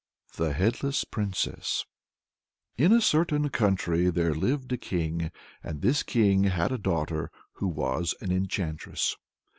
THE HEADLESS PRINCESS. In a certain country there lived a King; and this King had a daughter who was an enchantress.